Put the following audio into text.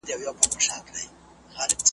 بس د زرکو به رامات ورته لښکر سو .